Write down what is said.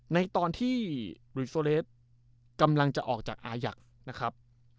ในตอนที่บริโซเลสกำลังจะออกจากอายักษ์นะครับ